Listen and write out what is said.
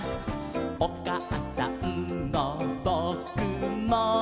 「おかあさんもぼくも」